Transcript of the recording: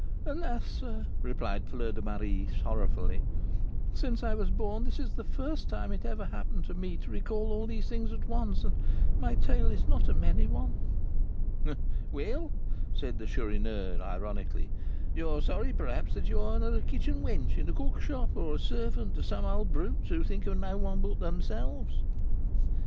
"Alas! sir," replied Fleur de Marie, sorrowfully, "since I was born this is the first time it ever happened to me to recall all these things at once, and my tale is not a merry one." "Well," said the Chourineur, ironically, "you are sorry, perhaps, that you are not a kitchen wench in a cook shop, or a servant to some old brutes who think of no one but themselves."